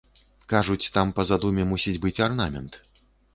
Кажуць, там па задуме мусіць быць арнамент.